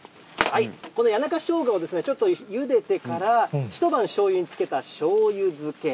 この谷中ショウガをちょっとゆでてから、一晩しょうゆに漬けたしょうゆ漬け。